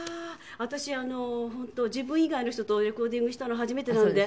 私本当自分以外の人とレコーディングしたの初めてなので。